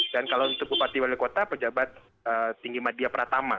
dan kalau untuk bupati wali kota pejabat tinggi madia pertama